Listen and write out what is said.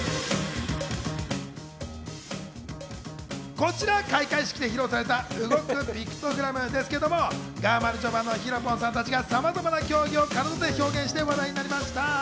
こちら、開会式で披露された動くピクトグラムですけど、がまるちょばのＨＩＲＯ−ＰＯＮさんたちがさまざまな競技を体で表現して、話題になりました。